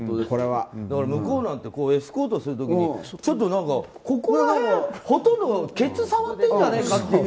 向こうなんてエスコートする時にちょっと、ほとんどケツ触ってるんじゃないかっていう。